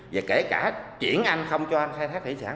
và kể cả chuyển anh không cho anh khai thác thủy sản